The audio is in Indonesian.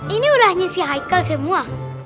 ini ulahnya si haikal semua